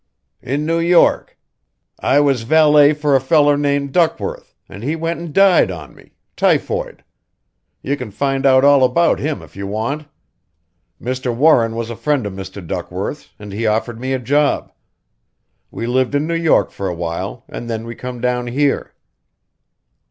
"In New York. I was valet for a feller named Duckworth, and he went and died on me typhoid; you c'n find out all about him if you want. Mr. Warren was a friend of Mr. Duckworth's, an' he offered me a job. We lived in New York for a while and then we come down here."